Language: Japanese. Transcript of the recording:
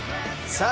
さあ